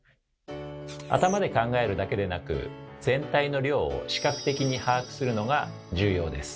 頭で考えるだけでなく全体の量を視覚的に把握するのが重要です。